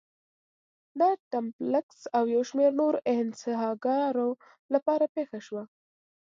دا د ټیلمکس او یو شمېر نورو انحصارګرو لپاره پېښه شوه.